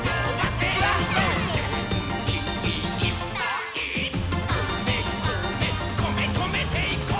「げんきいっぱいこめこめ」「こめこめていこう！」